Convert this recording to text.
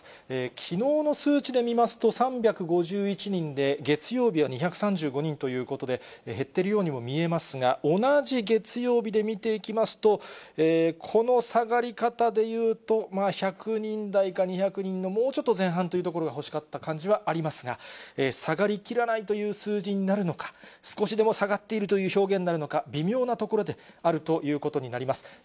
きのうの数値で見ますと３５１人で、月曜日は２３５人ということで減っているようにも見えますが、同じ月曜日で見ていきますと、この下がり方でいうと、まあ１００人台か、２００人のもうちょっと前半というところが欲しかった感じはありますが、下がりきらないという数字になるのか、少しでも下がっているという表現になるのか、微妙なところであるということになります。